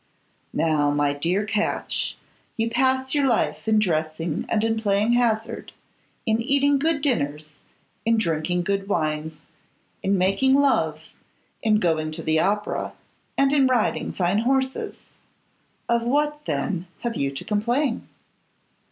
Now, my dear Catch, you pass your life in dressing and in playing hazard, in eating good dinners, in drinking good wines, in making love, in going to the opera, and in riding fine horses. Of what, then, have you to complain?